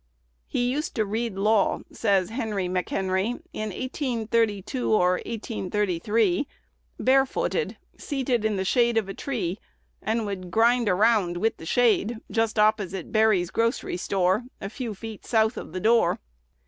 "He used to read law," says Henry McHenry, "in 1832 or 1833, barefooted, seated in the shade of a tree, and would grind around with the shade, just opposite Berry's grocery store, a few feet south of the door."